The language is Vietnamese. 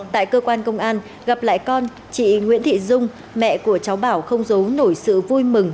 tại cơ quan công an gặp lại con chị nguyễn thị dung mẹ của cháu bảo không giấu nổi sự vui mừng